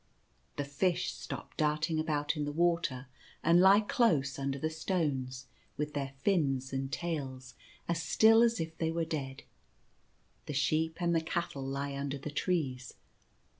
The fishes stop darting about in the water, and lie close under the stones, with their fins and tails as still as if they were dead. The sheep and the cattle lie under the trees.